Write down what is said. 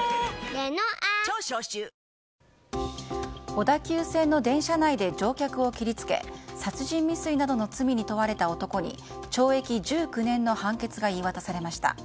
小田急線の電車内で乗客を切りつけ殺人未遂などの罪に問われた男に懲役１９年の判決が言い渡されました。